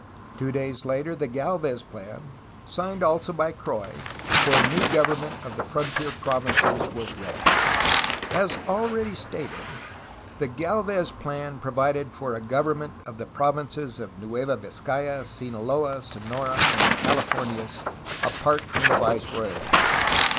Two days later the Galvez plan (signed also by Croix) for a new government of the frontier provinces was ready. As already stated, the Galvez plan provided for a govern ment of the provinces of Nueva Vizcaya, Sinaloa, Sonora, and the CaHf ornias apart from the viceroyalty.